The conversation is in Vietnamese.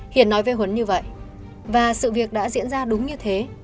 hiền nói với huấn như vậy và sự việc đã diễn ra đúng như thế